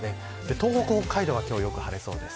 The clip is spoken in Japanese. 東北、北海道は今日良く晴れそうです。